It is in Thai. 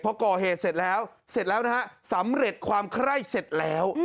เพราะก่อเหตุเสร็จแล้วสำเร็จความไคร้เสร็จแล้ว